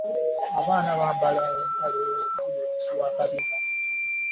Abaana bambala empale eziri wansi w'akabina.